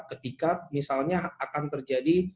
ketika misalnya akan terjadi